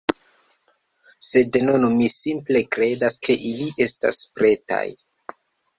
Sed nun mi simple kredas, ke ili estas pretaj